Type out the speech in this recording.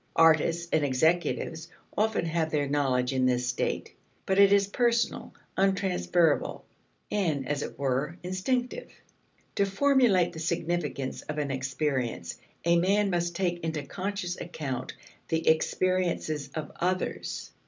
Artists and executives often have their knowledge in this state. But it is personal, untransferable, and, as it were, instinctive. To formulate the significance of an experience a man must take into conscious account the experiences of others.